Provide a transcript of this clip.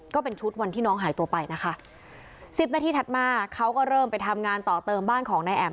ก็เป็นชุดวันที่น้องหายตัวไปนะคะสิบนาทีถัดมาเขาก็เริ่มไปทำงานต่อเติมบ้านของนายแอ๋ม